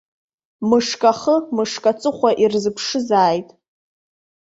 Мышк ахы, мышк аҵыхәа ирзыԥшызааит.